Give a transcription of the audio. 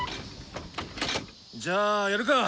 じゃあやるか。